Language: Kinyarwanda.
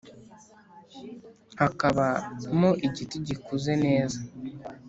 Hakaba mo igiti gikuze neza